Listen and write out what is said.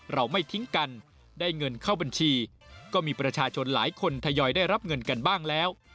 เราไม่ทิ้งกันได้เงินเข้าบัญชีก็มีประชาชนหลายคนทยอยได้รับเงินกันบ้างแล้ว